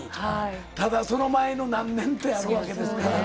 ただ、その前の何年ってあるわけですからね。